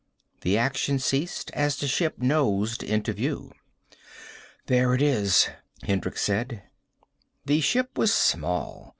The action ceased, as the ship nosed into view. "There it is," Hendricks said. The ship was small.